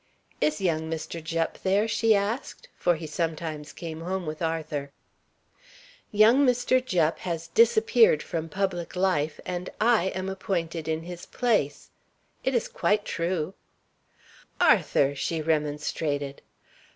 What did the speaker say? "Is young Mr. Jupp there?" she asked; for he sometimes came home with Arthur. "Young Mr. Jupp has disappeared from public life, and I am appointed in his place. It is quite true." "Arthur!" she remonstrated.